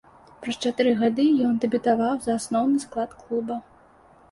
Праз чатыры гады ён дэбютаваў за асноўны склад клуба.